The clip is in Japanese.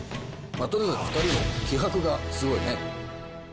とにかく、２人の気迫がすごいね。